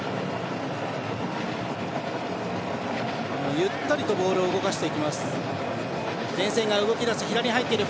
ゆったりとボールを動かしていきます。